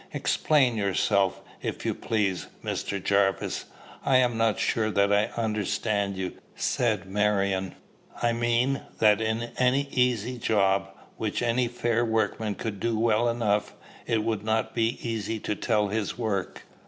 "Explain yourself, if you please, Mr. Jarvis. I am not sure that I understand you," said Marion. "I mean, that, in an easy job, which any fair workman could do well enough, it would not be easy to tell his work.